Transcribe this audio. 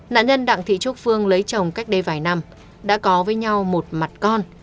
nạn nhân đặng thị trúc phương lấy chồng cách đây vài năm đã có với nhau một mặt con